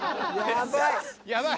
やばい。